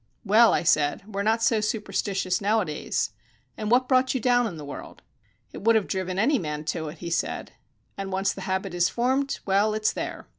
"Well," I said, "we're not so superstitious nowadays. And what brought you down in the world?" "It would have driven any man to it," he said. "And once the habit is formed well, it's there."